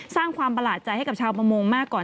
สร้างความประหลาดใจให้กับชาวประมงมากก่อน